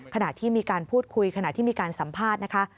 ขณะที่มีการพูดคุยขณะที่มีการสัมภาษณ์นะคะ